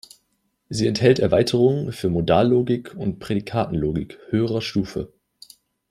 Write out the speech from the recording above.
Sie enthält Erweiterungen für Modallogik und Prädikatenlogik höherer Stufe.